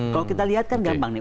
kalau kita lihat kan gampang nih